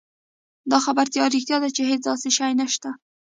دا خبره رښتيا ده چې هېڅ داسې شی نشته.